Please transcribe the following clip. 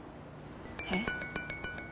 えっ？